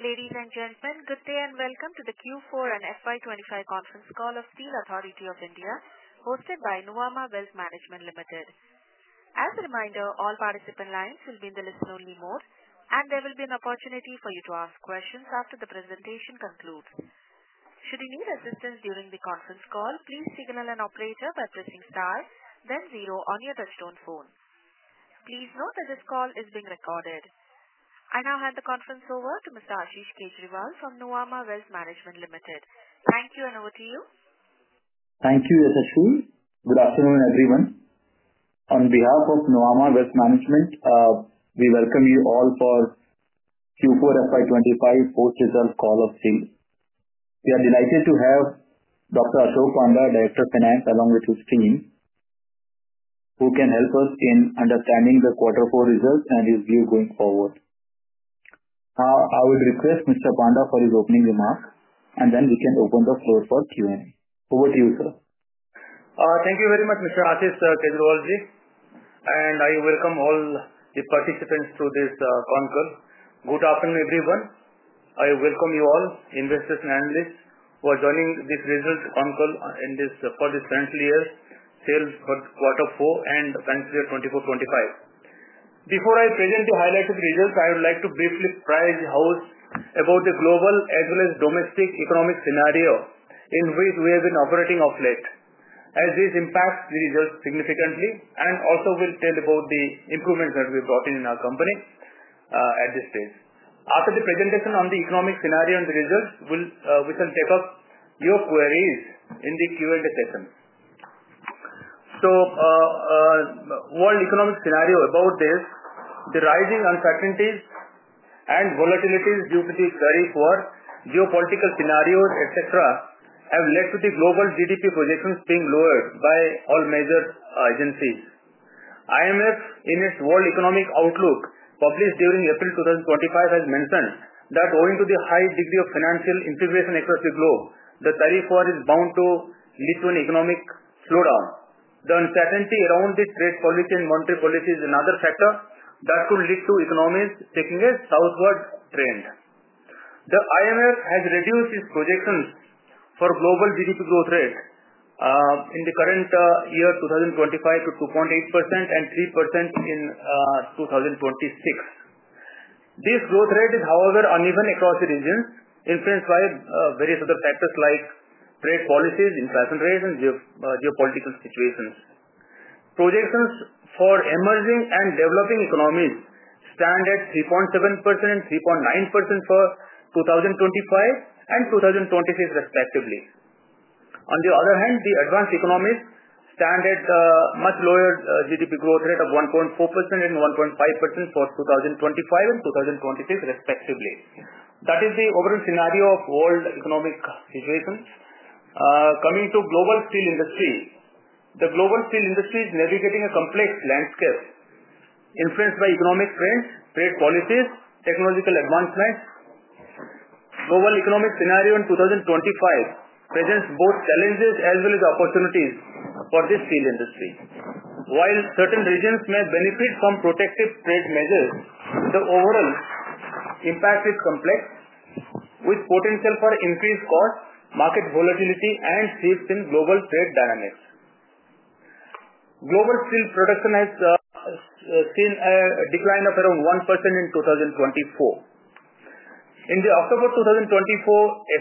Ladies and gentlemen, good day and welcome to the Q4 and FY 2025 conference call of Steel Authority of India, hosted by Nuvama Wealth Management Limited. As a reminder, all participant lines will be in the listen-only mode, and there will be an opportunity for you to ask questions after the presentation concludes. Should you need assistance during the conference call, please signal an operator by pressing star, then zero on your touchstone phone. Please note that this call is being recorded. I now hand the conference over to Mr. Ashish Kejriwal from Nuvama Wealth Management Limited. Thank you, and over to you. Thank you, Yashaswi. Good afternoon, everyone. On behalf of Nuvama Wealth Management, we welcome you all for Q4 FY 2025 post-result call of Steel Authority of India Limited. We are delighted to have Dr. Ashok Panda, Director of Finance, along with his team, who can help us in understanding the Q4 results and his view going forward. I would request Mr. Panda for his opening remarks, and then we can open the floor for Q&A. Over to you, sir. Thank you very much, Mr. Ashish Kejriwal, and I welcome all the participants to this conference. Good afternoon, everyone. I welcome you all, investors and analysts, who are joining this results conference for this financial year SAIL's for Q4 and financial year 2024-2025. Before I present the highlighted results, I would like to briefly apprise you about the global as well as domestic economic scenario in which we have been operating of late, as this impacts the results significantly, and also will tell about the improvements that we have brought in our company at this stage. After the presentation on the economic scenario and the results, we shall take up your queries in the Q&A session. World economic scenario, about this, the rising uncertainties and volatilities due to the very poor geopolitical scenarios, etc., have led to the global GDP projections being lowered by all major agencies. IMF, in its World Economic Outlook published during April 2025, has mentioned that owing to the high degree of financial instability across the globe, the tariff war is bound to lead to an economic slowdown. The uncertainty around the trade policy and monetary policy is another factor that could lead to economies taking a southward trend. The IMF has reduced its projections for global GDP growth rate in the current year, 2025, to 2.8% and 3% in 2026. This growth rate is, however, uneven across the regions, influenced by various other factors like trade policies, inflation rates, and geopolitical situations. Projections for emerging and developing economies stand at 3.7% and 3.9% for 2025 and 2026, respectively. On the other hand, the advanced economies stand at a much lower GDP growth rate of 1.4% and 1.5% for 2025 and 2026, respectively. That is the overall scenario of world economic situations. Coming to global steel industry, the global steel industry is navigating a complex landscape influenced by economic trends, trade policies, and technological advancements. Global economic scenario in 2025 presents both challenges as well as opportunities for the steel industry. While certain regions may benefit from protective trade measures, the overall impact is complex, with potential for increased costs, market volatility, and shifts in global trade dynamics. Global steel production has seen a decline of around 1% in 2024. In October 2024,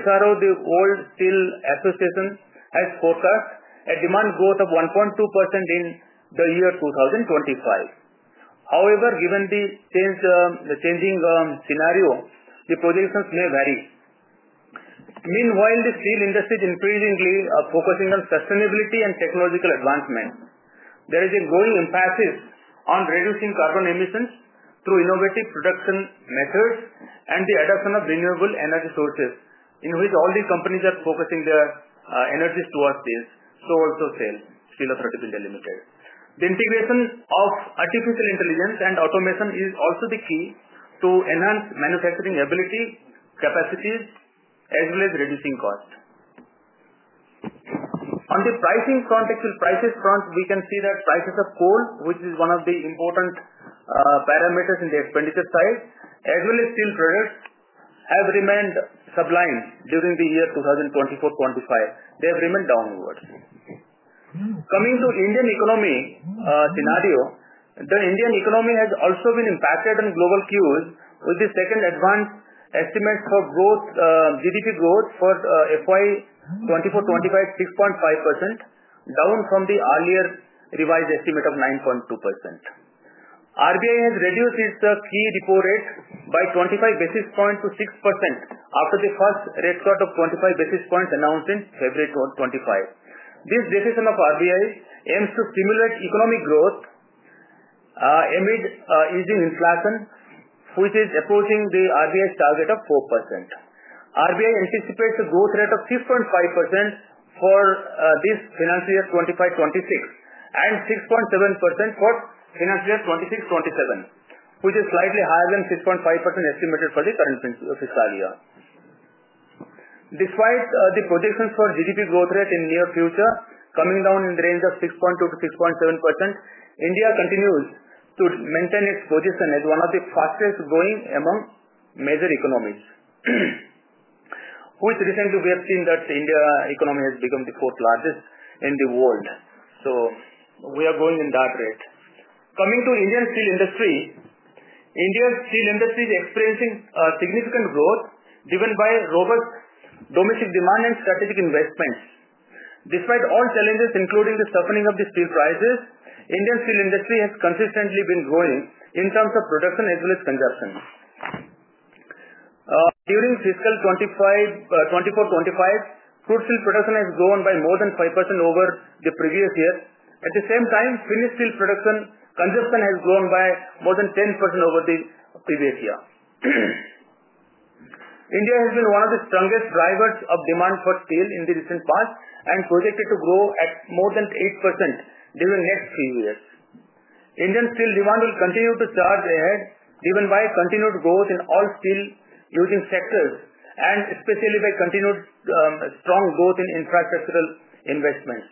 SRO, the World Steel Association, has forecast a demand growth of 1.2% in the year 2025. However, given the changing scenario, the projections may vary. Meanwhile, the steel industry is increasingly focusing on sustainability and technological advancements. There is a growing emphasis on reducing carbon emissions through innovative production methods and the adoption of renewable energy sources, in which all the companies are focusing their energies towards this, so also SAIL. The integration of artificial intelligence and automation is also the key to enhance manufacturing ability, capacities, as well as reducing costs. On the pricing context, prices front, we can see that prices of coal, which is one of the important parameters in the expenditure side, as well as steel products, have remained sublime during the year 2024-2025. They have remained downward. Coming to the Indian economy scenario, the Indian economy has also been impacted on global cues with the second advance estimates for GDP growth for FY 2024-2025, 6.5%, down from the earlier revised estimate of 9.2%. RBI has reduced its key repo rate by 25 basis points to 6% after the first rate cut of 25 basis points announced in February 2025. This decision of RBI aims to stimulate economic growth amid easing inflation, which is approaching the RBI's target of 4%. RBI anticipates a growth rate of 6.5% for this financial year 2025-2026 and 6.7% for financial year 2026-2027, which is slightly higher than 6.5% estimated for the current fiscal year. Despite the projections for GDP growth rate in the near future coming down in the range of 6.2%-6.7%, India continues to maintain its position as one of the fastest growing among major economies. Recently, we have seen that the India economy has become the fourth largest in the world. We are growing in that rate. Coming to the Indian steel industry, India's steel industry is experiencing significant growth driven by robust domestic demand and strategic investments. Despite all challenges, including the softening of the steel prices, the Indian steel industry has consistently been growing in terms of production as well as consumption. During fiscal 2024-2025, crude steel production has grown by more than 5% over the previous year. At the same time, finished steel production consumption has grown by more than 10% over the previous year. India has been one of the strongest drivers of demand for steel in the recent past and projected to grow at more than 8% during the next few years. Indian steel demand will continue to charge ahead, driven by continued growth in all steel using sectors and especially by continued strong growth in infrastructural investments.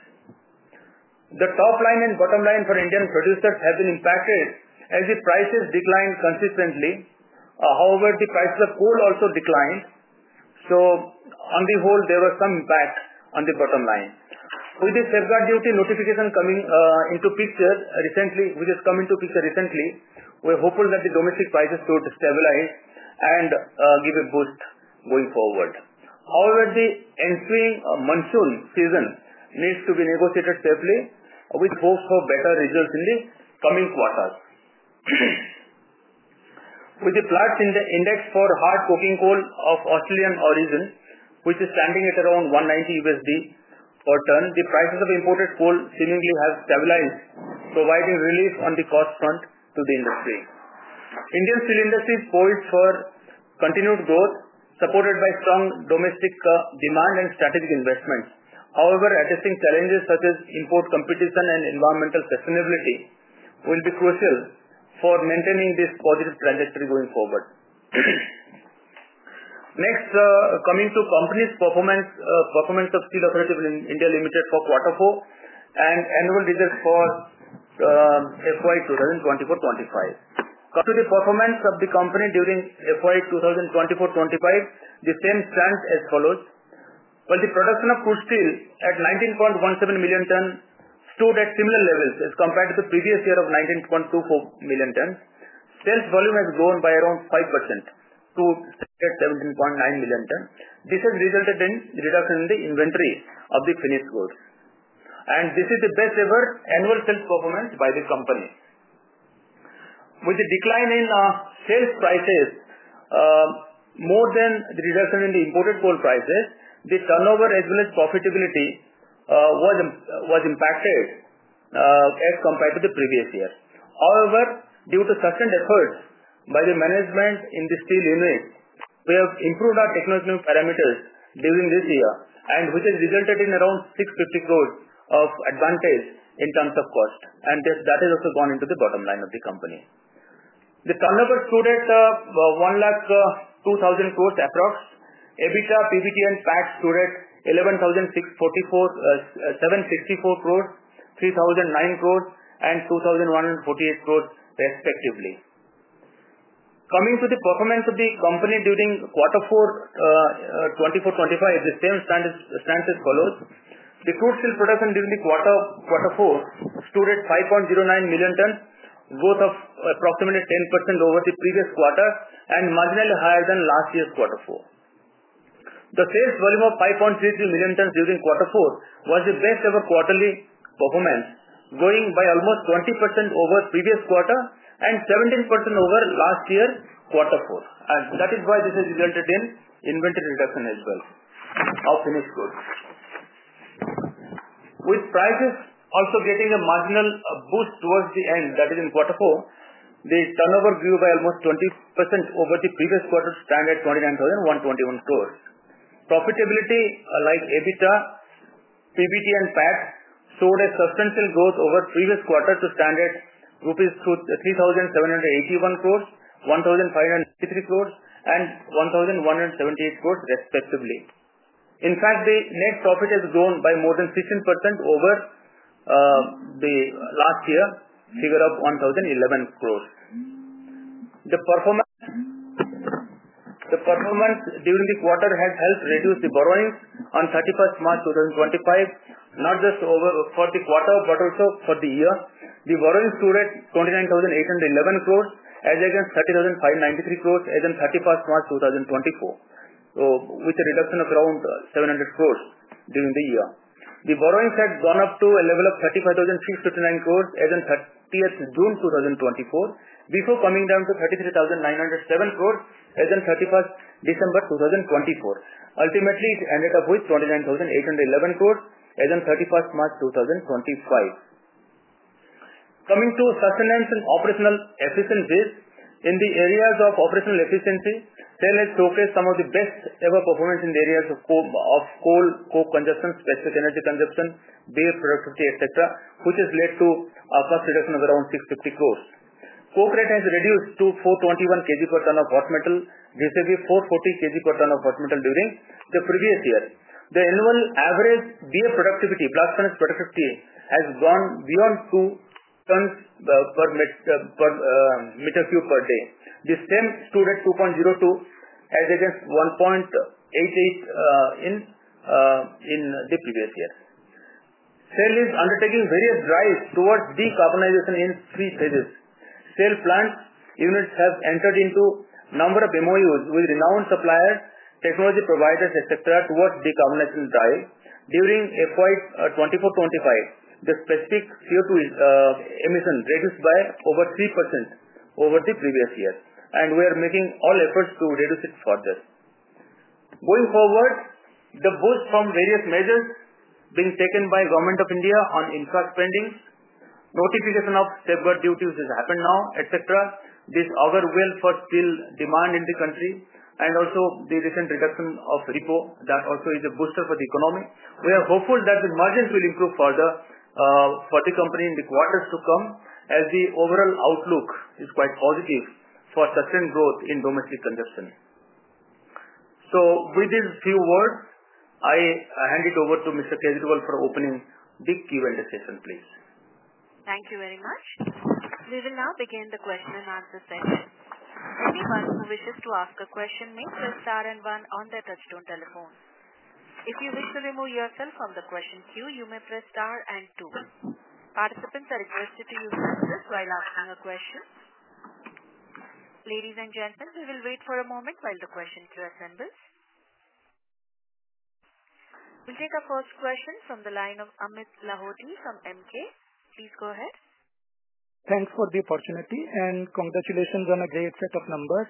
The top line and bottom line for Indian producers have been impacted as the prices declined consistently. However, the prices of coal also declined. So on the whole, there was some impact on the bottom line. With the safeguard duty notification coming into picture recently, which has come into picture recently, we are hopeful that the domestic prices should stabilize and give a boost going forward. However, the ensuing monsoon season needs to be negotiated safely with hopes for better results in the coming quarters. With the plots in the index for hard coking coal of Australian origin, which is standing at around $190 per ton, the prices of imported coal seemingly have stabilized, providing relief on the cost front to the industry. Indian steel industry poised for continued growth, supported by strong domestic demand and strategic investments. However, addressing challenges such as import competition and environmental sustainability will be crucial for maintaining this positive trajectory going forward. Next, coming to the company's performance of Steel Authority of India Limited for Q4 and annual results for FY 2024-2025. To the performance of the company during FY 2024-2025, the same stands as follows. While the production of crude steel at 19.17 million tons stood at similar levels as compared to the previous year of 19.24 million tons, sales volume has grown by around 5% to 17.9 million tons. This has resulted in reduction in the inventory of the finished goods. This is the best-ever annual sales performance by the company. With the decline in sales prices more than the reduction in the imported coal prices, the turnover as well as profitability was impacted as compared to the previous year. However, due to sustained efforts by the management in the steel unit, we have improved our technological parameters during this year, which has resulted in around 6.5 billion of advantage in terms of cost. That has also gone into the bottom line of the company. The turnover stood at 1,020 billion approx. EBITDA, PBT, and PAT stood at 116.44 billion, INR 76.4 billion, INR 30.09 billion, and INR 21.48 billion, respectively. Coming to the performance of the company during Q4 2024-2025, the same stands as follows. The crude steel production during the Q4 stood at 5.09 million tons, growth of approximately 10% over the previous quarter and marginally higher than last year's Q4. The sales volume of 5.33 million tons during Q4 was the best-ever quarterly performance, going by almost 20% over previous quarter and 17% over last year's Q4. That is why this has resulted in inventory reduction as well of finished goods. With prices also getting a marginal boost towards the end, that is, in Q4, the turnover grew by almost 20% over the previous quarter, standing at 29,121 crore. Profitability like EBITDA, PBT, and PAT stood at substantial growth over previous quarter to stand at rupees 3,781 crore, 1,593 crore, and 1,178 crore, respectively. In fact, the net profit has grown by more than 16% over the last year, figure of 1,011 crore. The performance during the quarter has helped reduce the borrowings on 31st March 2025, not just for the quarter but also for the year. The borrowings stood at 29,811 crore as against 30,593 crore as in 31st March 2024, with a reduction of around 700 crore during the year. The borrowings had gone up to a level of 35,659 crore as in 30th June 2024, before coming down to 33,907 crore as in 31st December 2024. Ultimately, it ended up with 29,811 crore as in 31st March 2025. Coming to sustenance and operational efficiencies, in the areas of operational efficiency, SAIL has showcased some of the best-ever performance in the areas of coal, coal consumption, specific energy consumption, blast furnace productivity, etc., which has led to a cost reduction of around 650 crore. Coke rate has reduced to 421 kg per ton of hot metal, this is 440 kg per ton of hot metal during the previous year. The annual average blast furnace productivity has gone beyond 2 tons per meter cube per day. The same stood at 2.02 as against 1.88 in the previous year. SAIL is undertaking various drives towards decarbonization in three phases. SAIL plant units have entered into a number of MOUs with renowned suppliers, technology providers, etc., towards decarbonization drive. During FY 2024-2025, the specific CO2 emission reduced by over 3% over the previous year. We are making all efforts to reduce it further. Going forward, the boost from various measures being taken by the Government of India on infra spending, notification of safeguard duties, which has happened now, etc., augurs well for steel demand in the country. Also, the recent reduction of repo, that also is a booster for the economy. We are hopeful that the margins will improve further for the company in the quarters to come as the overall outlook is quite positive for sustained growth in domestic consumption. With these few words, I hand it over to Mr. Kejriwal for opening the Q&A session, please. Thank you very much. We will now begin the question and answer session. Anyone who wishes to ask a question may press star and one on their touchstone telephone. If you wish to remove yourself from the question queue, you may press star and two. Participants are requested to use hands while asking a question. Ladies and gentlemen, we will wait for a moment while the question queue assembles. We'll take our first question from the line of Amit Lahoti from Emkay. Please go ahead. Thanks for the opportunity and congratulations on a great set of numbers.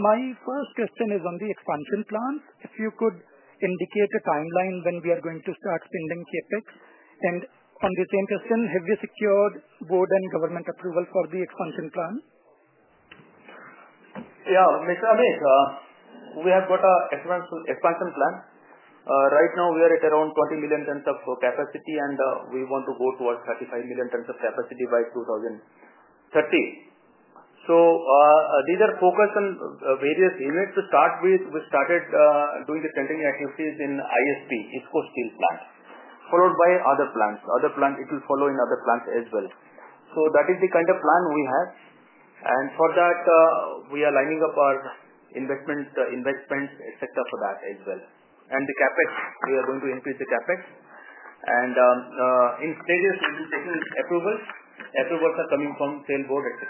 My first question is on the expansion plans. If you could indicate a timeline when we are going to start spending CapEx. And on the same question, have you secured board and government approval for the expansion plan? Yeah, Mr. Amit, we have got an expansion plan. Right now, we are at around 20 million tons of capacity, and we want to go towards 35 million tons of capacity by 2030. These are focused on various units. To start with, we started doing the tendering activities in ISP, ISCO Steel Plant, followed by other plants. It will follow in other plants as well. That is the kind of plan we have. For that, we are lining up our investments, etc., for that as well. The CapEx, we are going to increase the CapEx. In stages, we'll be taking approvals. Approvals are coming from SAIL board, etc.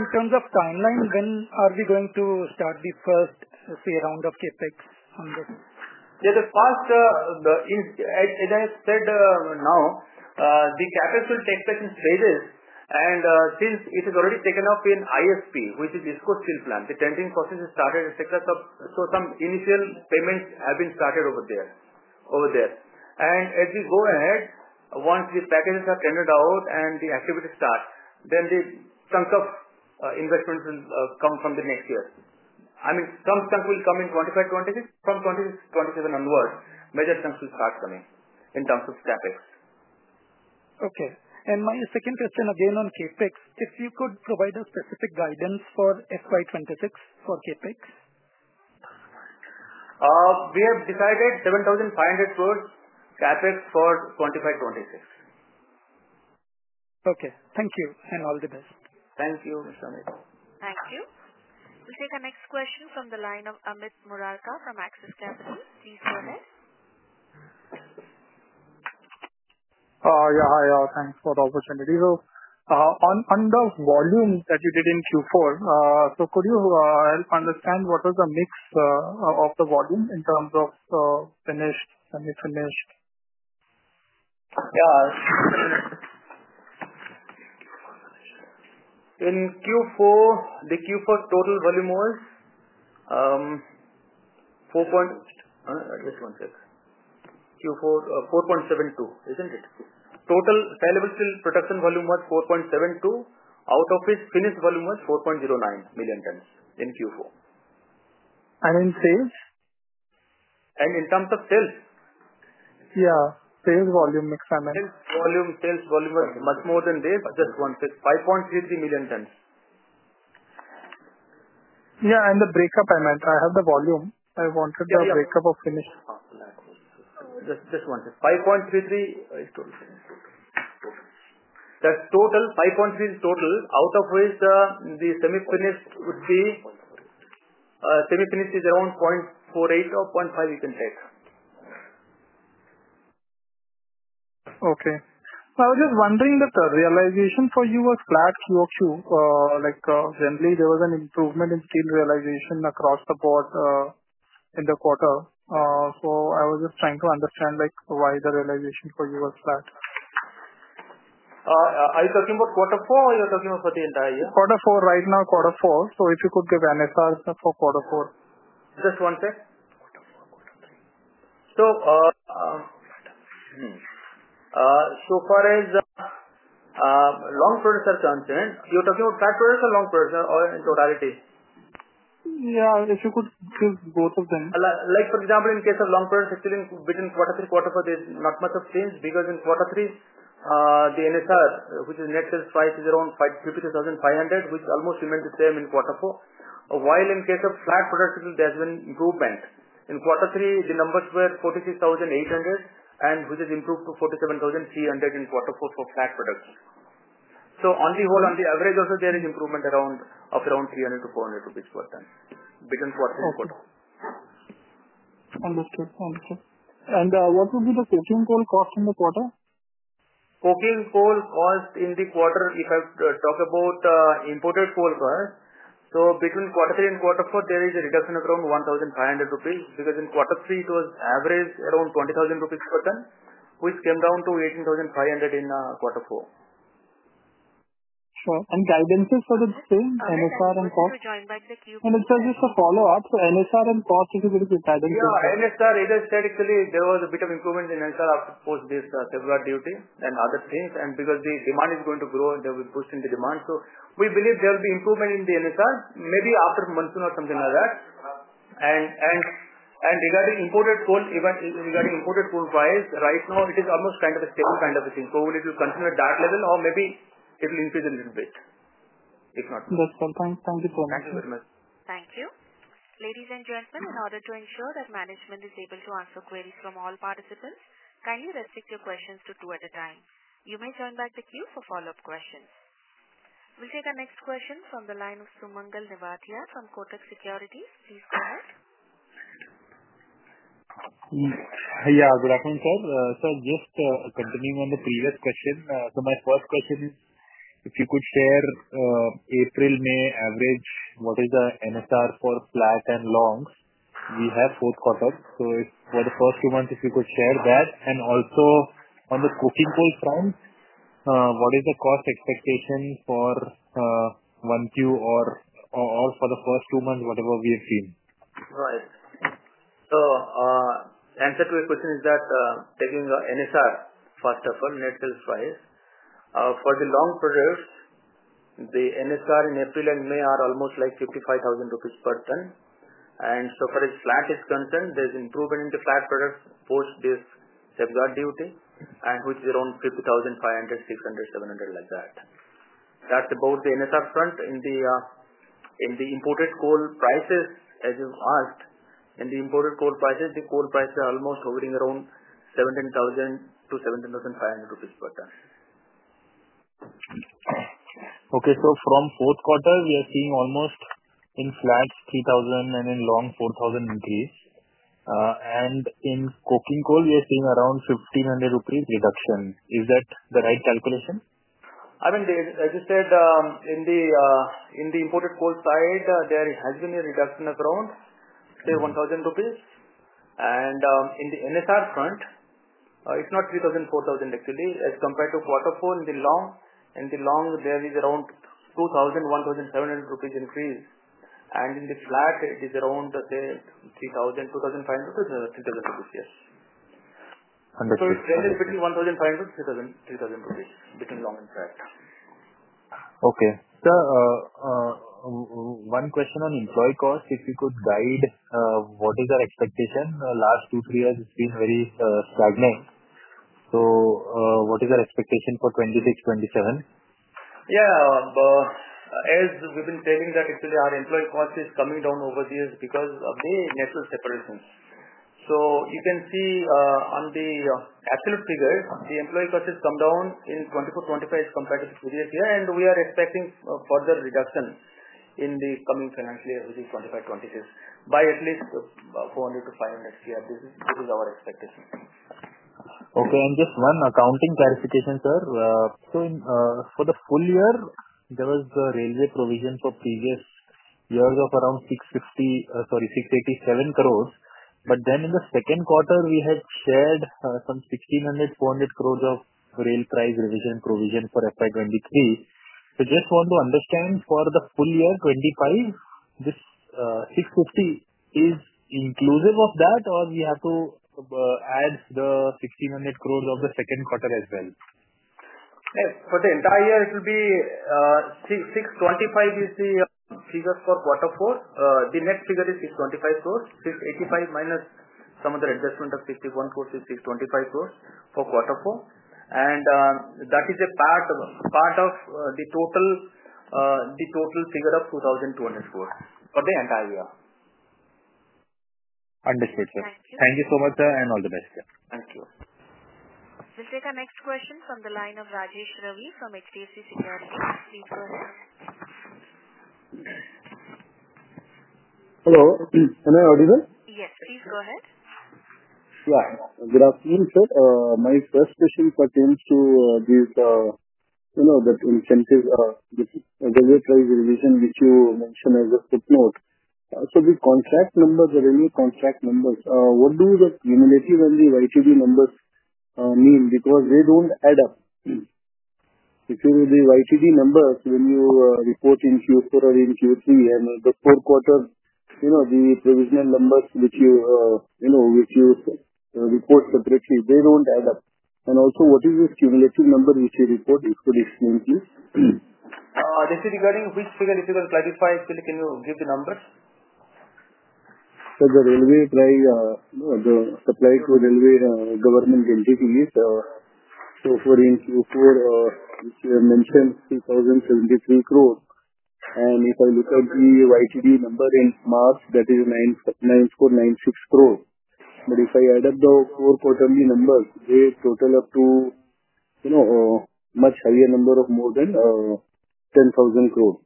In terms of timeline, when are we going to start the first round of CapEx? Yeah, as I said now, the CapEx will take place in stages. Since it has already taken up in ISP, which is ISCO Steel Plant, the tendering process has started, etc., so some initial payments have been started over there. As we go ahead, once the packages are tendered out and the activities start, then the chunks of investments will come from the next year. I mean, some chunks will come in 2025-2026, from 2026-2027 onward. Major chunks will start coming in terms of CapEx. Okay. My second question again on CapEx, if you could provide a specific guidance for FY 2026 for CapEx. We have decided 7,500 crore CapEx for 2025-2026. Okay. Thank you and all the best. Thank you, Mr. Amit. Thank you. We'll take our next question from the line of Amit Murarka from Axis Capital. Please go ahead. Yeah, hi. Thanks for the opportunity. On the volume that you did in Q4, could you help understand what was the mix of the volume in terms of finished and unfinished? Yeah. In Q4, the Q4 total volume was 4.6. Q4, 4.72, isn't it? Total saleable steel production volume was 4.72. Out of it, finished volume was 4.09 million tons in Q4. And in sales? And in terms of sales? Yeah. Sales volume, Amit. Sales volume was much more than this, just 1.6, 5.33 million tons. Yeah. And the breakup, Amit, I have the volume. I wanted the breakup of finished. Just 1.6. 5.33 is total. That's total. 5.3 is total. Out of which the semi-finished would be, semi-finished is around 0.48 or 0.5, you can take. Okay. I was just wondering, the realization for you was flat QOQ. Generally, there was an improvement in steel realization across the board in the quarter. I was just trying to understand why the realization for you was flat. Are you talking about Q4 or you're talking about for the entire year? Q4 right now, Q4. If you could give an NSR for Q4. Just one sec. Q4, Q3. So far as long producer is concerned, you're talking about flat producer or long producer or in totality? Yeah. If you could give both of them. For example, in case of long producer, actually, within Q3, Q4, there's not much of change. Because in Q3, the NSR, which is net sales realization, is around 52,500, which almost remained the same in Q4. While in case of flat producer, there has been improvement. In Q3, the numbers were 46,800, which has improved to 47,300 in Q4 for flat producers. On the whole, on the average also, there is improvement of around 300-400 rupees per ton between Q3 and Q4. Understood. Understood. What would be the coking coal cost in the quarter? Coking coal cost in the quarter, if I talk about imported coal, between Q3 and Q4, there is a reduction of around 1,500 rupees. Because in Q3, it was average around 20,000 rupees per ton, which came down to 18,500 in Q4. Sure. Guidances for the same NSR and cost? It serves as a follow-up. NSR and cost, if you could give guidance on that. Yeah. NSR, it has said actually there was a bit of improvement in NSR after post this safeguard duty and other things. Because the demand is going to grow, there will be boost in the demand. We believe there will be improvement in the NSR, maybe after monsoon or something like that. Regarding imported coal, even regarding imported coal price, right now, it is almost kind of a stable kind of a thing. It will continue at that level or maybe it will increase a little bit, if not more. That's all. Thank you so much. Thank you very much. Thank you. Ladies and gentlemen, in order to ensure that management is able to answer queries from all participants, kindly restrict your questions to two at a time. You may join back the queue for follow-up questions. We'll take our next question from the line of Sumangal Nevatia from Kotak Securities. Please go ahead. Yeah. Good afternoon, sir. Sir, just continuing on the previous question. My first question is, if you could share April, May average, what is the NSR for flat and longs? We have four quarters. For the first two months, if you could share that. Also, on the coking coal front, what is the cost expectation for Q1 or for the first two months, whatever we have seen? Right. The answer to your question is that taking NSR, first of all, net sales price. For the long producers, the NSR in April and May are almost like 55,000 rupees per ton. For flat, there is improvement in the flat products post this safeguard duty, which is around 50,500-50,700 like that. That's about the NSR front. In the imported coal prices, as you've asked, the coal prices are almost hovering around 17,000-17,500 rupees per ton. Okay. From fourth quarter, we are seeing almost in flat 3,000 and in long 4,000 increase. In coking coal, we are seeing around 1,500 rupees reduction. Is that the right calculation? I mean, as you said, in the imported coal side, there has been a reduction of around, say, 1,000 rupees. In the NSR front, it is not 3,000, 4,000 actually. As compared to Q4, in the long, there is around 2,000, 1,700 rupees increase. In the flat, it is around, say, 2,500 or 3,000 rupees, yes. It ranges between 1,500-3,000 rupees between long and flat. Okay. Sir, one question on employee cost. If you could guide, what is our expectation? Last two, three years, it has been very stagnant. What is our expectation for 2026-2027? Yeah. As we have been telling that, actually, our employee cost is coming down over the years because of the natural separations. You can see on the absolute figure, the employee cost has come down in 2024-2025 as compared to the previous year. We are expecting further reduction in the coming financial year, which is 2025-2026, by at least 400-500. Yeah, this is our expectation. Okay. Just one accounting clarification, sir. For the full year, there was the railway provision for previous years of around 687 crore. Then in the second quarter, we had shared some 1,600-1,400 crore of rail price revision provision for FY 2023. I just want to understand, for the full year 2025, is this 650 inclusive of that, or do we have to add the 1,600 crore of the second quarter as well? For the entire year, it will be 625 is the figure for Q4. The net figure is 625 crore. 685- some other adjustment of 51 crore is 625 crore for Q4. That is a part of the total figure of 2,200 crore for the entire year. Understood, sir. Thank you so much, sir, and all the best. Thank you. We'll take our next question from the line of Rajesh Ravi from HDFC Securities. Please go ahead. Hello. Am I audible? Yes. Please go ahead. Yeah. Good afternoon, sir. My first question pertains to that incentive, railway price revision, which you mentioned as a footnote. The contract numbers are any contract numbers. What does that cumulative and the YTD numbers mean? Because they do not add up. If you do the YTD numbers when you report in Q4 or in Q3, and the four quarters, the provisional numbers which you report separately, they do not add up. Also, what is this cumulative number which you report? If you could explain to me. This is regarding which figure, if you can clarify. Actually, can you give the numbers? The railway price, the supply to railway government entities, for Q4, you mentioned INR 2,073 crore. If I look at the YTD number in March, that is 9,496 crore. If I add up the four quarterly numbers, they total up to a much higher number of more than 10,000 crore,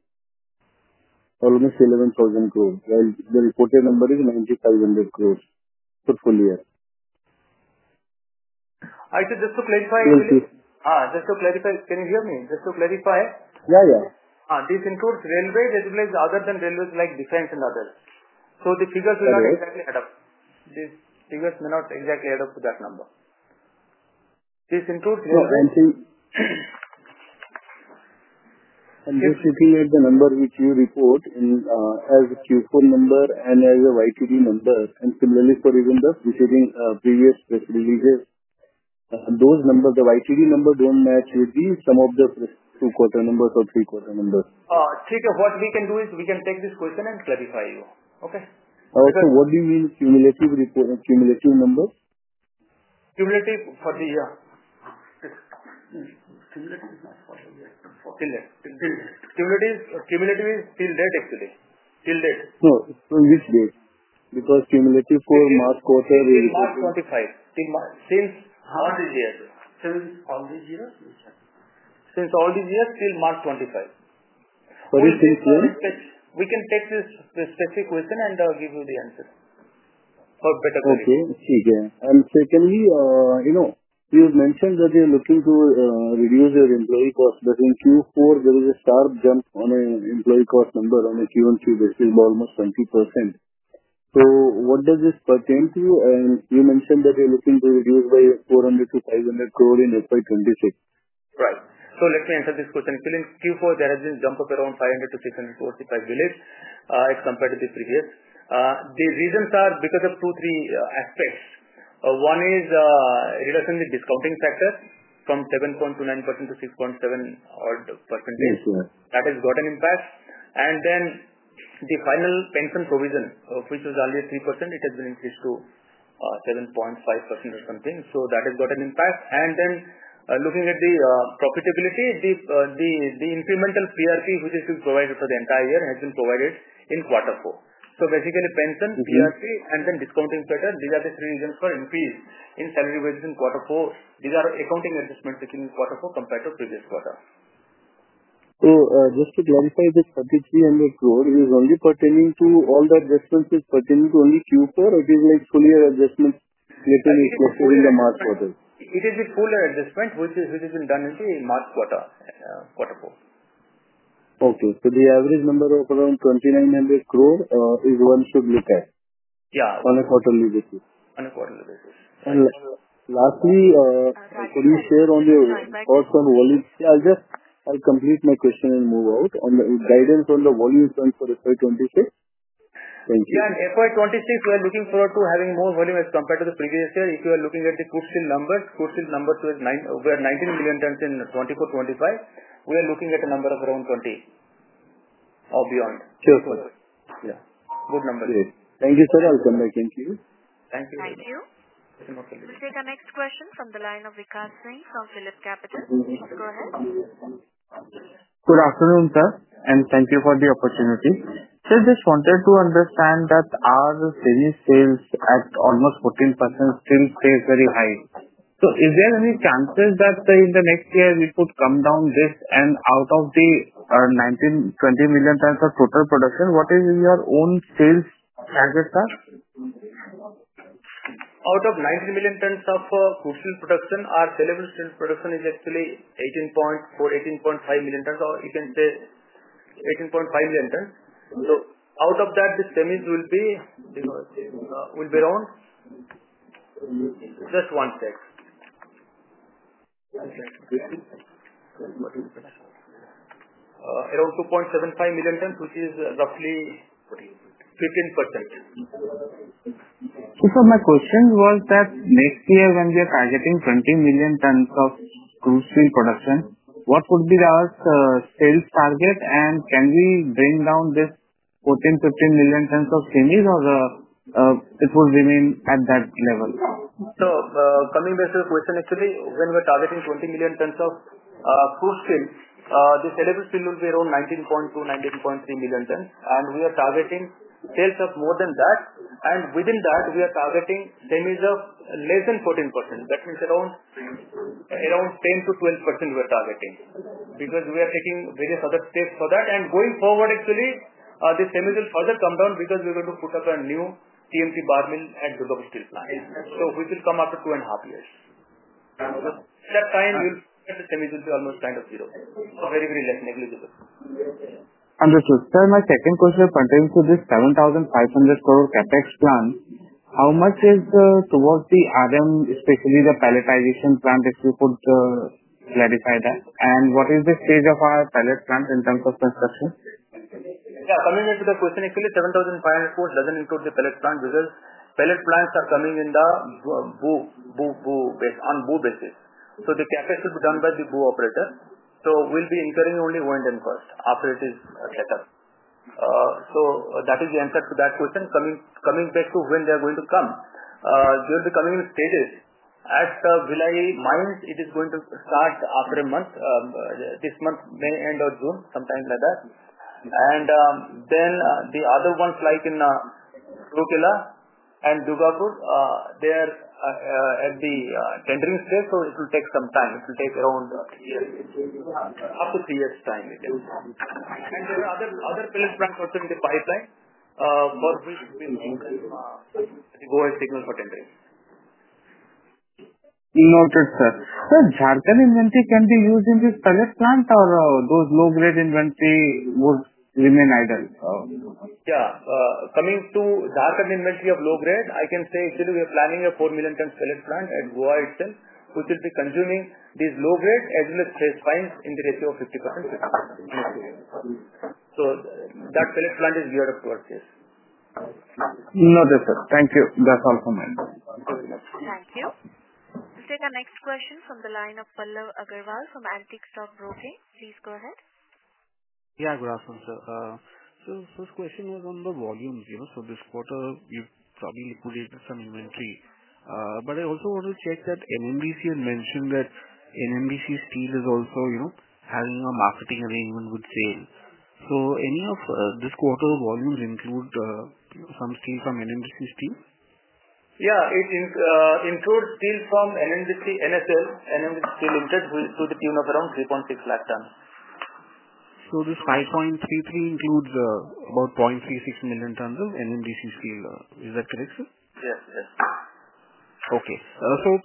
almost 11,000 crore, while the reported number is 9,500 crore for the full year. Actually, just to clarify. Can you see? Just to clarify. Can you hear me? Just to clarify. Yeah, yeah. This includes railways as well as other than railways like defense and others. The figures will not exactly add up. These figures may not exactly add up to that number. This includes railways. I'm seeing that the number which you report as a Q4 number and as a YTD number, and similarly for even the preceding previous press releases, those numbers, the YTD number does not match with some of the two-quarter numbers or three-quarter numbers. Okay. What we can do is we can take this question and clarify for you. Okay? Okay. What do you mean by cumulative number? Cumulative for the year. Cumulative is not for the year. Till date. Cumulative is till date, actually. Till date. Which date? Because cumulative for March quarter is. March 25. Since all these years. Since all these years? Since all these years, till March 25. For this year? We can take this specific question and give you the answer for better qualities. Okay. Secondly, you've mentioned that you're looking to reduce your employee cost. In Q4, there is a sharp jump in employee cost number on a Q1, Q2, which is almost 20%. What does this pertain to? You mentioned that you're looking to reduce by 400 crore-500 crore in FY 2026. Right. Let me answer this question. Q4, there has been a jump of around 500 crore-600 crore if I believe, as compared to the previous. The reasons are because of two, three aspects. One is reduction in the discounting factor from 7.29%-6.7%. That has got an impact. The final pension provision, which was earlier 3%, has been increased to 7.5% or something. That has got an impact. Looking at the profitability, the incremental PRP, which has been provided for the entire year, has been provided in Q4. Basically, pension, PRP, and then discounting factor, these are the three reasons for increase in salary revision in Q4. These are accounting adjustments in Q4 compared to previous quarter. Just to clarify, this 3,300 crore, is this only pertaining to all the adjustments pertaining to only Q4, or it is like full year adjustments later in the March quarter? It is the full year adjustment, which has been done in the March quarter, Q4. Okay. The average number of around 2,900 crore is one should look at. Yeah. On a quarterly basis. On a quarterly basis. Lastly, could you share your thoughts on volume? I'll just complete my question and move out. Guidance on the volume trends for FY 2026? Thank you. Yeah. In FY 2026, we are looking forward to having more volume as compared to the previous year. If you are looking at the good steel numbers, good steel numbers were 19 million tons in 2024-2025. We are looking at a number of around 20 or beyond. Yeah. Good numbers. Okay. Thank you, sir. I'll come back to you. Thank you. Thank you. We'll take our next question from the line of Vikash Singh from Phillip Capital. Please go ahead. Good afternoon, sir. And thank you for the opportunity. Sir, just wanted to understand that our previous sales at almost 14% still stays very high. So is there any chance that in the next year, we could come down this and out of the 19million tons-20 million tons of total production, what is your own sales target, sir? Out of 19 million tons of crude steel production, our saleable steel production is actually 18.4 million tons, 18.5 million tons, or you can say 18.5 million tons. Out of that, the semis will be around, just one sec, around 2.75 million tons, which is roughly 15%. My question was that next year, when we are targeting 20 million tons of crude steel production, what would be our sales target, and can we bring down this 14, 15% of semis, or will it remain at that level? Coming back to the question, actually, when we are targeting 20 million tons of crude steel, the saleable steel will be around 19.2 million tons, 19.3 million tons. We are targeting sales of more than that. Within that, we are targeting semis of less than 14%. That means around 10-12% we are targeting. Because we are taking various other steps for that. Going forward, actually, the semis will further come down because we are going to put up a new TMT bar mill at Durgapur Steel Plant, which will come after two and a half years. At that time, the semis will be almost kind of zero, so very, very less, negligible. Understood. Sir, my second question pertains to this 7,500 crore CapEx plan. How much is towards the RM, especially the palletization plant, if you could clarify that? What is the stage of our pallet plants in terms of construction? Yeah. Coming back to the question, actually, 7,500 crore does not include the pallet plant because pallet plants are coming in the on BOO basis. The CapEx will be done by the BOO operator, so we will be incurring only O&M cost after it is set up. That is the answer to that question. Coming back to when they are going to come, they will be coming in stages. At the Bhilai mines, it is going to start after a month, this month, May end or June, sometime like that. The other ones, like in Rourkela and Durgapur, they are at the tendering stage, so it will take some time. It will take around up to three years' time. There are other pallet plants also in the pipeline for which we will increase the go ahead signal for tendering. Noted, sir. Sir, jargon inventory can be used in this pallet plant, or those low-grade inventory would remain idle? Yeah. Coming to jargon inventory of low-grade, I can say, actually, we are planning a 4 million tons pallet plant at Goa itself, which will be consuming these low-grade as well as trace fines in the ratio of 50%. So that pallet plant is geared up towards this. Noted, sir. Thank you. That's all from me. Thank you very much. Thank you. We'll take our next question from the line of Pallav Agarwal from Antique Stock Broking. Please go ahead. Yeah. Good afternoon, sir. First question was on the volumes. This quarter, you've probably liquidated some inventory. I also want to check that NMDC had mentioned that NMDC Steel is also having a marketing arrangement with SAIL. Any of this quarter's volumes include some steel from NMDC Steel? Yeah. It includes steel from NMDC Steel Limited, to the tune of around 3.6 lakh tons. This 5.33 includes about 0.36 million tons of NMDC Steel. Is that correct, sir? Yes. Yes. Okay.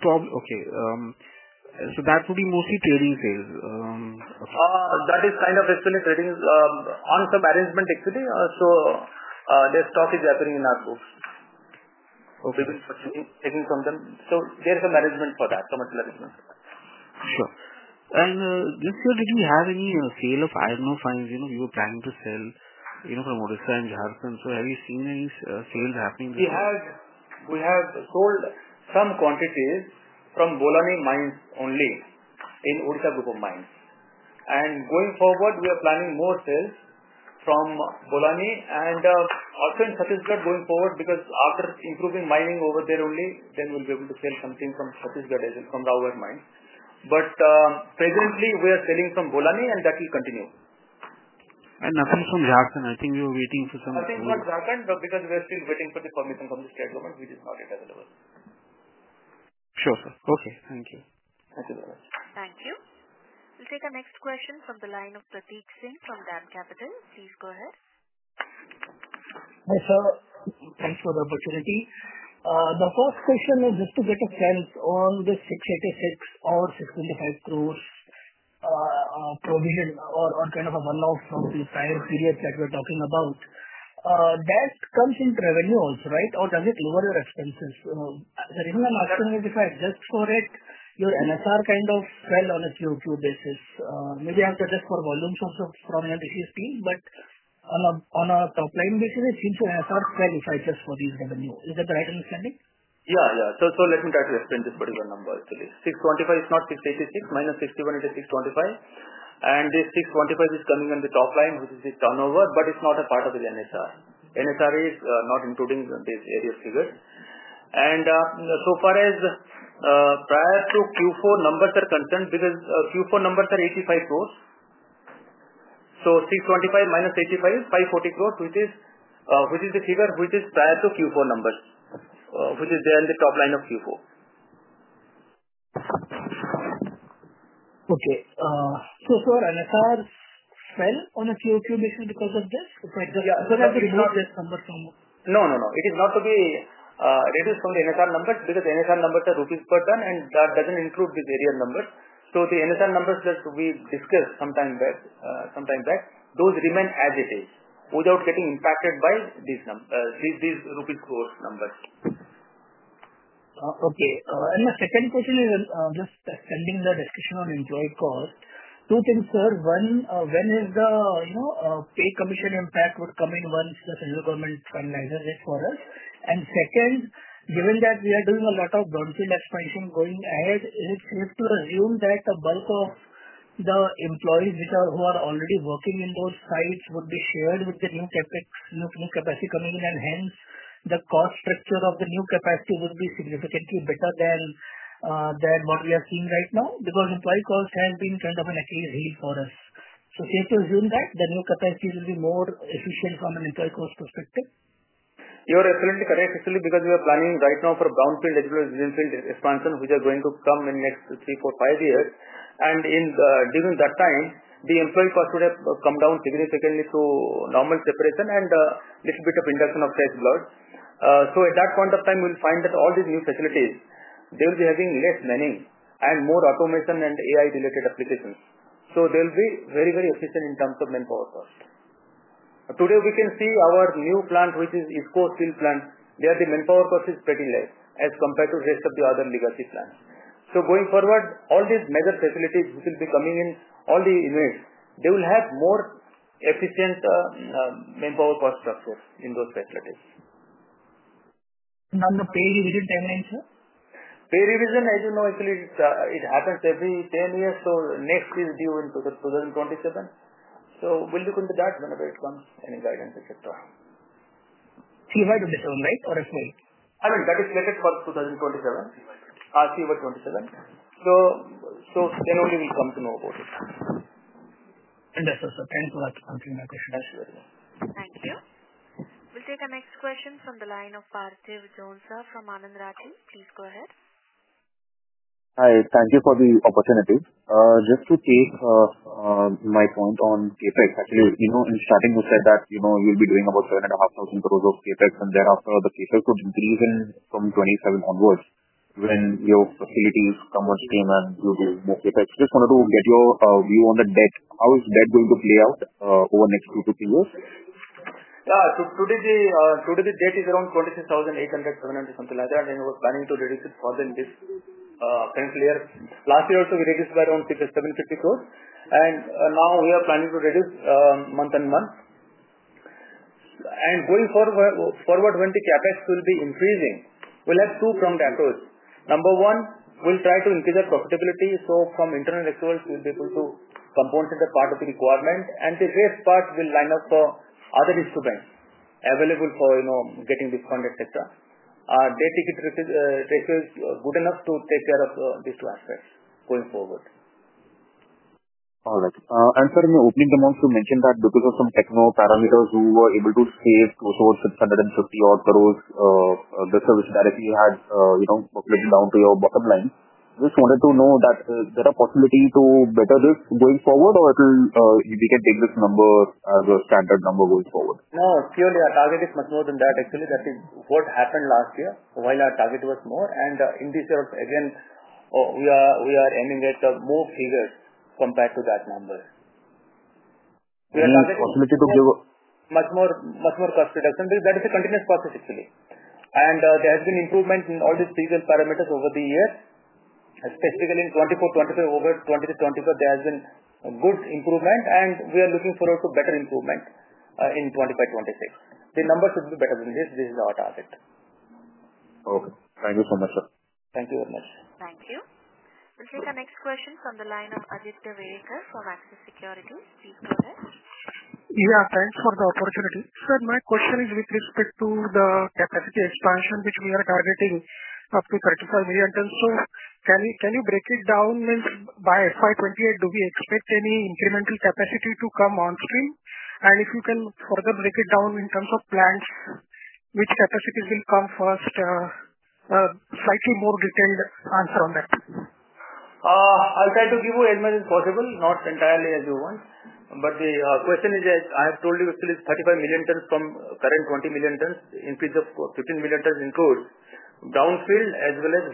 That would be mostly trading sales. That is kind of actually trading on some arrangement, actually. Their stock is happening in our books. We have been taking from them. There is some arrangement for that, some arrangement for that. Sure. This year, did you have any sale of iron ore fines you were planning to sell from Odisha and Jharkhand? Have you seen any sales happening this year? We have sold some quantities from Bolani mines only in Odisha Group of Mines. Going forward, we are planning more sales from Bolani and also in Satishgad going forward because after improving mining over there only, then we will be able to sell something from Satishgad as well from Rowghat Mines. Presently, we are selling from Bolani, and that will continue. Nothing from Jharkhand? I think we were waiting for some. Nothing from Jharkhand because we are still waiting for the permission from the State Government, which is not yet available. Sure, sir. Okay. Thank you. Thank you very much. Thank you. We'll take our next question from the line of Prateek Singh from DAM Capital. Please go ahead. Hi, sir. Thanks for the opportunity. The first question is just to get a sense on the 686 crore or 625 crore provision or kind of a runoff from the prior period that we're talking about. That comes into revenue also, right? Or does it lower your expenses? The reason I'm asking is if I adjust for it, your NSR kind of fell on a Q2 basis. Maybe I have to adjust for volumes also from NMDC Steel, but on a top-line basis, it seems your NSR fell if I adjust for these revenue. Is that the right understanding? Yeah. Yeah. Let me try to explain this particular number, actually. 625 crore is not 686 crore-618625. This 625 crore is coming on the top line, which is the turnover, but it is not a part of the NSR. NSR is not including these area figures. So far as prior to Q4 numbers are concerned, because Q4 numbers are 85 crore. 625 crore-85 crore, 540 crores, which is the figure which is prior to Q4 numbers, which is there in the top line of Q4. Okay. Sir, NSR fell on a Q2 basis because of this? We have to remove this number from. No, no, no. It is not to be reduced from the NSR numbers because NSR numbers are rupees per ton, and that does not include these area numbers. The NSR numbers that we discussed sometime back remain as it is without getting impacted by these rupees crore numbers. Okay. My second question is just extending the discussion on employee cost. Two things, sir. One, when is the pay commission impact would come in once the Federal Government finalizes it for us? Second, given that we are doing a lot of brownfield expansion going ahead, is it safe to assume that the bulk of the employees who are already working in those sites would be shared with the new capacity coming in, and hence the cost structure of the new capacity would be significantly better than what we are seeing right now? Because employee cost has been kind of an Achilles heel for us. Safe to assume that the new capacity will be more efficient from an employee cost perspective? You are absolutely correct, actually, because we are planning right now for brownfield expansion, which are going to come in the next three, four, five years. During that time, the employee cost would have come down significantly to normal separation and a little bit of induction of fresh blood. At that point of time, we'll find that all these new facilities, they will be having less manning and more automation and AI-related applications. They'll be very, very efficient in terms of manpower cost. Today, we can see our new plant, which is East Coast Steel Plant, where the manpower cost is pretty less as compared to the rest of the other legacy plants. Going forward, all these major facilities which will be coming in, all the units, they will have more efficient manpower cost structure in those facilities. On the pay revision timeline, sir? Pay revision, as you know, actually, it happens every 10 years. Next is due in 2027. We will look into that whenever it comes, any guidance, etc. CY 2027, right? Or FY? Imean, that is slated for 2027, CY 2027. Then only we will come to know about it. Understood, sir. Thanks for answering my question. Thank you. We will take our next question from the line of Parthiv Jonza from Anand Rathi. Please go ahead. Hi. Thank you for the opportunity. Just to take my point on CapEx, actually, in starting, we said that you'll be doing about 7,500 crore of CapEx, and thereafter, the CapEx would increase from 2027 onwards when your facilities come on stream and you do more CapEx. Just wanted to get your view on the debt. How is debt going to play out over the next two to three years? Yeah. Today, the debt is around 26,800-27,000, something like that, and we were planning to reduce it further in this current year. Last year also, we reduced by around 750 crore, and now we are planning to reduce month and month. Going forward, when the CapEx will be increasing, we'll have two-pronged approach. Number one, we'll try to increase our profitability. From internal actual, we'll be able to components that are part of the requirement, and the rest part will line up for other instruments available for getting this fund, etc. Debt ticket ratio is good enough to take care of these two aspects going forward. All right. Sir, in the opening demos, you mentioned that because of some techno parameters, we were able to save towards 650 crore. The service directly had flown down to your bottom line. Just wanted to know that there is a possibility to better this going forward, or we can take this number as a standard number going forward? No, surely. Our target is much more than that, actually. That is what happened last year while our target was more. In this year, again, we are aiming at more figures compared to that number. We are targeting much more cost reduction. That is a continuous process, actually. And there has been improvement in all these physical parameters over the years. Specifically, in 2024-2025, over 2023-2024, there has been good improvement, and we are looking forward to better improvement in 2025-2026. The numbers should be better than this. This is our target. Okay. Thank you so much, sir. Thank you very much. Thank you. We'll take our next question from the line of [Ajit Devegar] from Axis Securities. Please go ahead. Yeah. Thanks for the opportunity. Sir, my question is with respect to the capacity expansion, which we are targeting up to 35 million tons. So can you break it down? By FY 2028, do we expect any incremental capacity to come on stream? And if you can further break it down in terms of plants, which capacities will come first? Slightly more detailed answer on that. I'll try to give you as much as possible, not entirely as you want. The question is that I have told you, actually, 35 million tons from current 20 million tons, increased of 15 million tons, increased brownfield as well as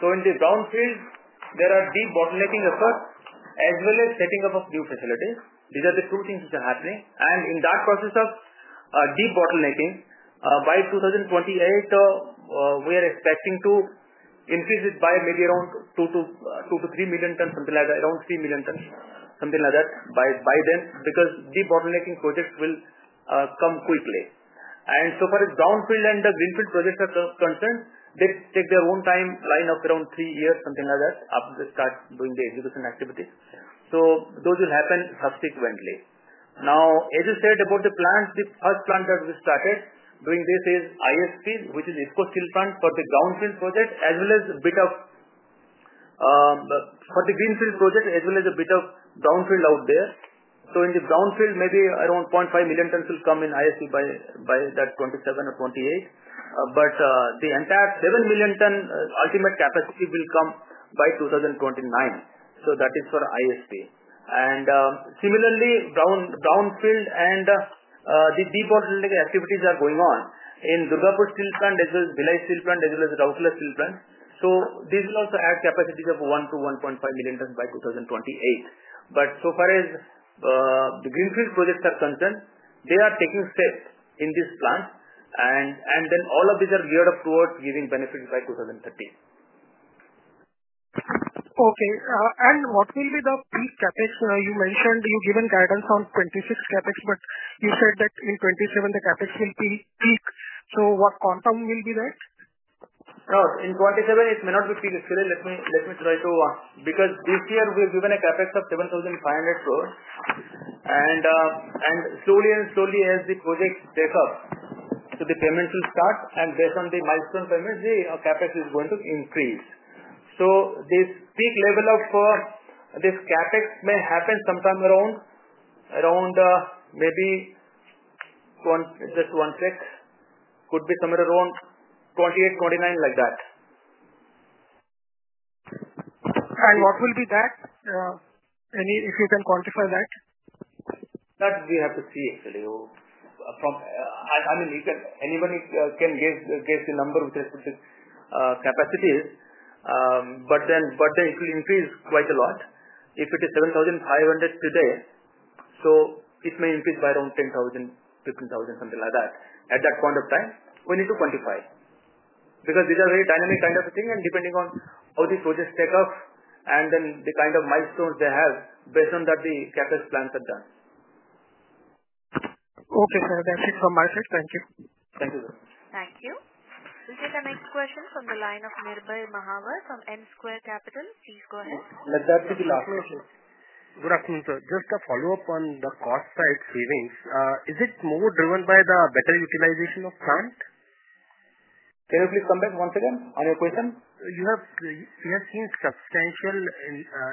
greenfield. In the brownfield, there are deep bottlenecking efforts as well as setting up of new facilities. These are the two things which are happening. In that process of deep bottlenecking, by 2028, we are expecting to increase it by maybe around 2-3 million tons, something like that, around 3 million tons, something like that by then. Because deep bottlenecking projects will come quickly. As far as brownfield and greenfield projects are concerned, they take their own timeline of around three years, something like that, after they start doing the execution activities. Those will happen subsequently. Now, as you said about the plants, the first plant that we started doing this is ISP, which is IISCO Steel Plant for the brownfield project, as well as a bit of for the greenfield project, as well as a bit of brownfield out there. In the brownfield, maybe around 500,000 tons will come in ISP by 2027 or 2028. The entire 7 million ton ultimate capacity will come by 2029. That is for ISP. Similarly, brownfield and the debottlenecking activities are going on in Durgapur Steel Plant as well as Bhilai Steel Plant as well as Rourkela Steel Plant. These will also add capacities of 1 million tons-1.5 million tons by 2028. So far as the greenfield projects are concerned, they are taking steps in these plants. All of these are geared up towards giving benefits by 2030. Okay. What will be the peak CapEx? You mentioned you have given guidance on 2026 CapEx, but you said that in 2027, the CapEx will peak. What quantum will be there? No, in 2027, it may not be peak actually. Let me try to, because this year, we have given a CapEx of 7,500 crore. Slowly and slowly, as the projects take up, the payments will start. Based on the milestone payments, the CapEx is going to increase. This peak level of this CapEx may happen sometime around, maybe just one sec, could be somewhere around 2028-2029 like that. What will be that, if you can quantify that? That we have to see, actually. I mean, anybody can guess the number with respect to capacity. It will increase quite a lot. If it is 7,500 crore today, it may increase by around 10,000 crore-15,000 crore, something like that at that point of time. We need to quantify because these are very dynamic kind of thing. Depending on how the projects take off and the kind of milestones they have, based on that, the CapEx plans are done. Okay, sir. That's it from my side. Thank you. Thank you, sir. Thank you. We'll take our next question from the line of Nirbhay Mahawar from N Square Capital. Please go ahead. Ladadi, good afternoon, sir. Good afternoon, sir. Just a follow-up on the cost-side savings. Is it more driven by the better utilization of plant? Can you please come back once again on your question? You have seen substantial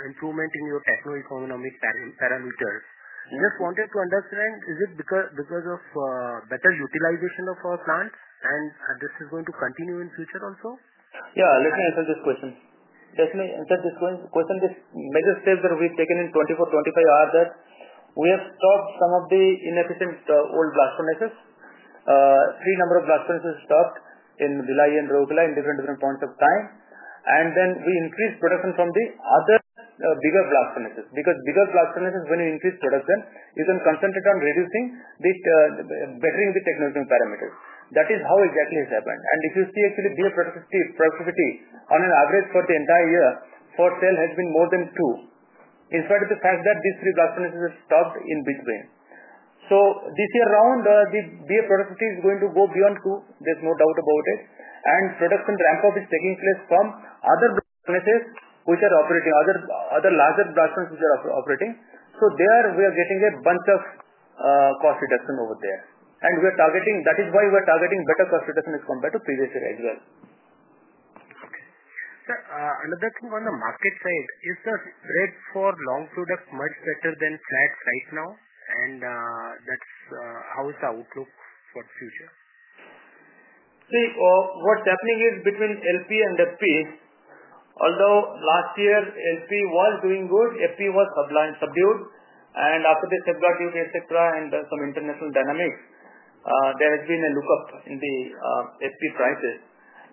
improvement in your techno-economic parameters. Just wanted to understand, is it because of better utilization of our plants, and this is going to continue in future also? Yeah. Let me answer this question. The question is major steps that we've taken in 2024, 2025 are that we have stopped some of the inefficient old blast furnaces. Three blast furnaces stopped in Bhilai and Rourkela at different points of time. Then we increased production from the other bigger blast furnaces. Because bigger blast furnaces, when you increase production, you can concentrate on reducing, bettering the techno-economic parameters. That is how exactly it has happened. If you see, actually, blast furnace productivity on an average for the entire year for SAIL has been more than two in spite of the fact that these three blast furnaces have stopped in between. This year round, the blast furnace productivity is going to go beyond two. There's no doubt about it. Production ramp-up is taking place from other blast furnaces which are operating, other larger blast furnaces which are operating. We are getting a bunch of cost reduction over there. That is why we are targeting better cost reduction as compared to previous year as well. Sir, another thing on the market side, is the rate for long products much better than flat right now? How is the outlook for the future? See, what's happening is between LP and FP, although last year, LP was doing good, FP was subdued. After the subdued, etc., and some international dynamics, there has been a lookup in the FP prices.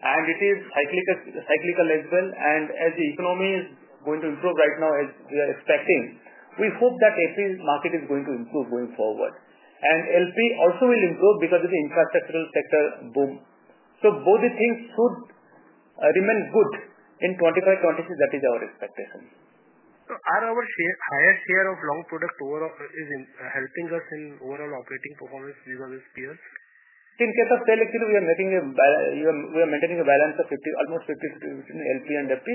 It is cyclical as well. As the economy is going to improve right now, as we are expecting, we hope that FP market is going to improve going forward. LP also will improve because of the infrastructural sector boom. Both the things should remain good in 2025, 2026. That is our expectation. Are our higher share of long product overall helping us in overall operating performance vis-à-vis peers? In case of SAIL, actually, we are maintaining a balance of almost 50/50 between LP and FP.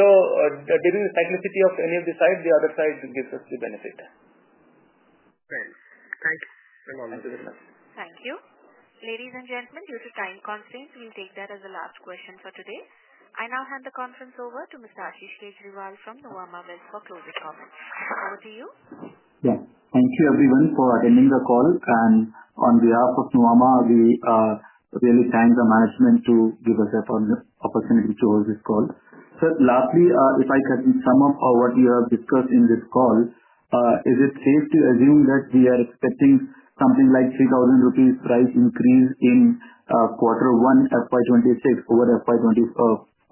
During the cyclicity of any of the sides, the other side gives us the benefit. Thanks. Thank you. Thank you very much. Thank you. Ladies and gentlemen, due to time constraints, we'll take that as the last question for today. I now hand the conference over to Mr. Ashish Kejriwal from Nuvama Wealth Management for closing comments. Over to you. Yeah. Thank you, everyone, for attending the call. On behalf of Nuvama, we really thank the management to give us the opportunity to hold this call. Sir, lastly, if I can sum up what we have discussed in this call, is it safe to assume that we are expecting something like 3,000 rupees price increase in quarter one, FY 2026, over FY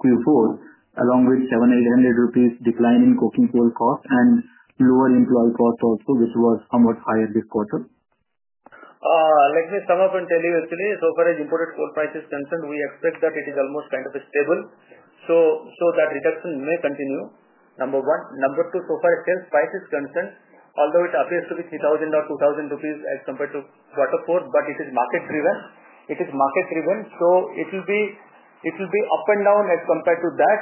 2024, along with 7,800 rupees decline in coking coal cost and lower employee cost also, which was somewhat higher this quarter? Let me sum up and tell you, actually. So far, as imported coal price is concerned, we expect that it is almost kind of stable. So that reduction may continue, number one. Number two, so far, as sales price is concerned, although it appears to be 3,000 or 2,000 rupees as compared to quarter four, but it is market-driven. It is market-driven. It will be up and down as compared to that.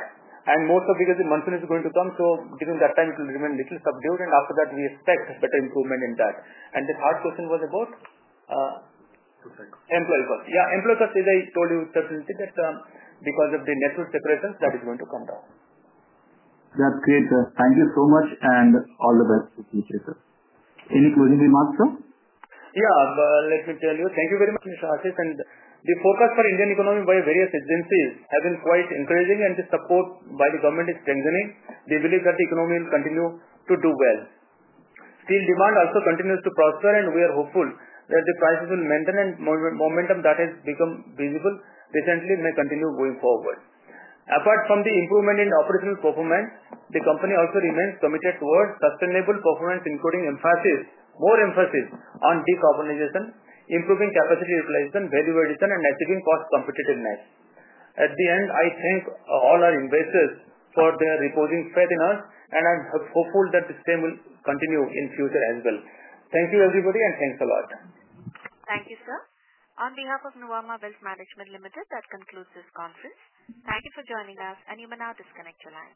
Most of it is monsoon is going to come. During that time, it will remain a little subdued. After that, we expect better improvement in that. The third question was about employee cost. Yeah. Employee cost, as I told you, sir, since that because of the network separations, that is going to come down. That's great, sir. Thank you so much. All the best in the future, sir. Any closing remarks, sir? Yeah. Let me tell you. Thank you very much, Mr. Ashish. The forecast for Indian economy by various agencies has been quite encouraging, and the support by the government is strengthening. They believe that the economy will continue to do well. Steel demand also continues to prosper, and we are hopeful that the prices will maintain and momentum that has become visible recently may continue going forward. Apart from the improvement in operational performance, the company also remains committed towards sustainable performance, including more emphasis on decarbonization, improving capacity utilization, value addition, and achieving cost competitiveness. At the end, I thank all our investors for their reposing faith in us, and I'm hopeful that the same will continue in future as well. Thank you, everybody, and thanks a lot. Thank you, sir. On behalf of Nuvama Wealth Management Limited, that concludes this conference. Thank you for joining us, and you may now disconnect your line.